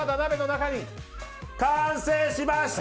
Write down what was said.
完成しました！